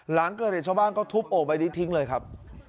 หลังเกิดเหตุชาวบ้านก็ทุบโอ่งใบนี้ทิ้งเลยครับ